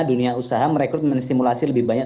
dunia usaha merekrut dan menstimulasi lebih banyak